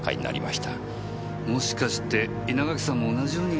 もしかして稲垣さんも同じように。